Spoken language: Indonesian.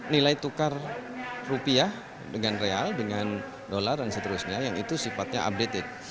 nilai tukar rupiah dengan real dengan dolar dan seterusnya yang itu sifatnya updated